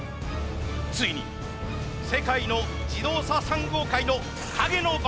ついに世界の自動車産業界の陰の番長登場。